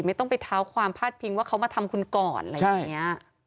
ไม่ต้องไปเท้าความพาดพิงว่าเขามาทำคุณก่อนอะไรอย่างนี้